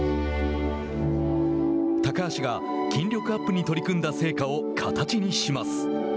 高橋が筋力アップに取り組んだ結果を形にします。